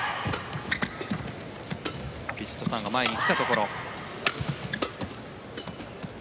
ヴィチットサーンが前に来たところ。